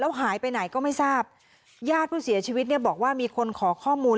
หายไปไหนก็ไม่ทราบญาติผู้เสียชีวิตเนี่ยบอกว่ามีคนขอข้อมูล